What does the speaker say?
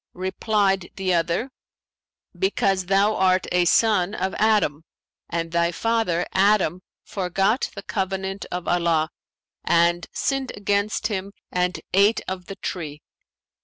Replied the other, 'Because thou art a son of Adam and thy father Adam forgot the covenant of Allah and sinned against Him and ate of the tree.'